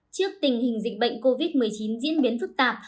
trước tình hình dịch bệnh covid một mươi chín diễn biến phức tạp